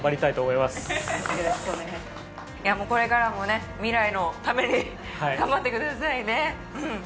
これからもね未来のために頑張ってくださいね。